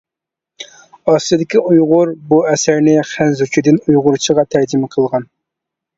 ئاستىدىكى ئۇيغۇر بۇ ئەسەرنى خەنزۇچىدىن ئۇيغۇرچىغا تەرجىمە قىلغان!